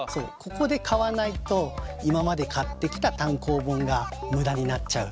ここで買わないと今まで買ってきた単行本が無駄になっちゃう。